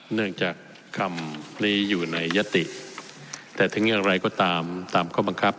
เนื่องจากคำนี้อยู่ในยติแต่ถึงอย่างไรก็ตามตามข้อบังคับ